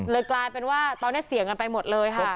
กลายเป็นว่าตอนนี้เสี่ยงกันไปหมดเลยค่ะ